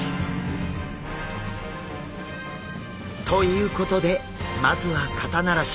ということでまずは肩慣らし。